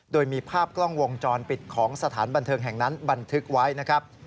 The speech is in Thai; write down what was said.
โดยมีภาพกล้องวงจรปิดของสถานบันเทิงแห่งนั้นบันทึกไว้นะครับ